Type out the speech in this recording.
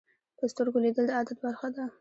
په سترګو لیدل د عادت برخه ده